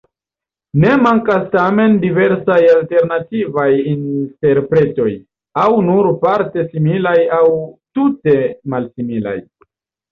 Ne mankas tamen diversaj alternativaj interpretoj, aŭ nur parte similaj aŭ tute malsimilaj.